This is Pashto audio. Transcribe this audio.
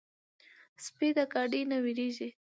سپي د ګاډي نه وېرېږي.